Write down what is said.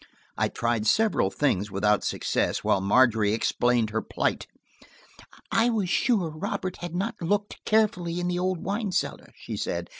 I tried several things without success, while Margery explained her plight. "I was sure Robert had not looked carefully in the old wine cellar," she said.